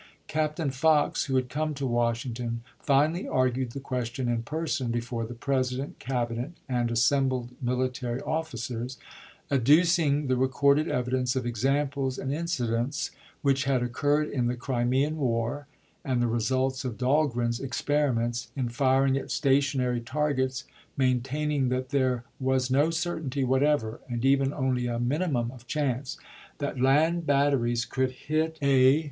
Captain Fox, who had come to Wash ington, finally argued the question in person before the President, Cabinet, and assembled military offi cers, adducing the recorded evidence of examples and incidents which had occurred in the Crimean war, and the results of Dahlgren's experiments in firing at stationary targets ; maintaining that there was no certainty whatever, and even only a mini mum of chance, that land batteries could hit a BUST OF JAMES LOUIS PETIGRU.